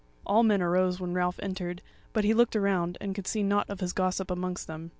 All men arose when Ralph entered; but he looked around, and could see nought of his gossip amongst them.